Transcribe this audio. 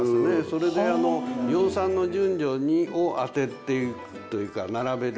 それで養蚕の順序を当てていくというか並べるというか。